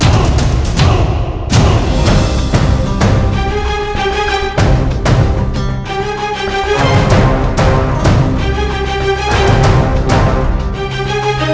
kepada pemerintah pajajara gusti prabu